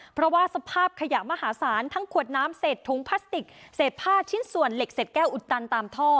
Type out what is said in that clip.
เพราะว่าสภาพขยะมหาศาลทั้งขวดน้ำเศษถุงพลาสติกเศษผ้าชิ้นส่วนเหล็กเศษแก้วอุดตันตามท่อ